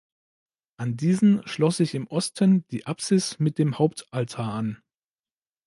An diesen schloss sich im Osten die Apsis mit dem Hauptaltar an.